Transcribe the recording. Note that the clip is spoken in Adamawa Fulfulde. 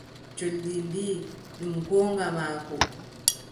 Colli mbii: ɗum goonga maako.